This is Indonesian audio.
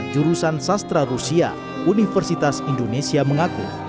jurusan sastra rusia universitas indonesia mengaku